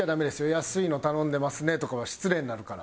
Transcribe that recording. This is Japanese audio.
「安いの頼んでますね」とかは失礼になるから。